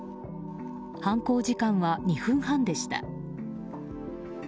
犯行時間は２分半でした。